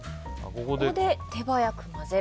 ここで手早く混ぜる。